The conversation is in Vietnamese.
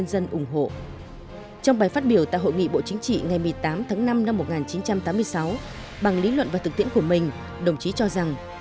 trong bài phát biểu tại hội nghị bộ chính trị ngày một mươi tám tháng năm năm một nghìn chín trăm tám mươi sáu bằng lý luận và thực tiễn của mình đồng chí cho rằng